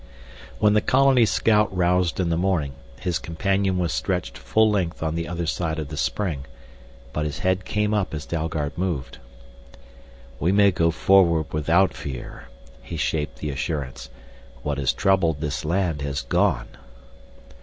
When the colony scout roused in the morning, his companion was stretched full length on the other side of the spring, but his head came up as Dalgard moved. "We may go forward without fear," he shaped the assurance. "What has troubled this land has gone."